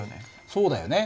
そうだよね。